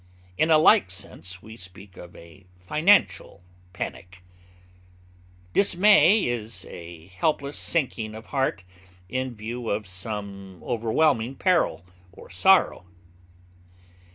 In a like sense we speak of a financial panic. Dismay is a helpless sinking of heart in view of some overwhelming peril or sorrow.